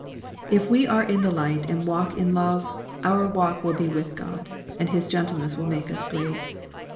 If we are in the light and walk in love, our walk will be with God, and His gentleness will make us great.